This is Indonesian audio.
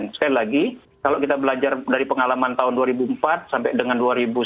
sekali lagi kalau kita belajar dari pengalaman tahun dua ribu empat sampai dengan dua ribu sembilan